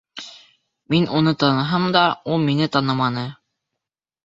Мин уны таныһам да, ул мине таныманы.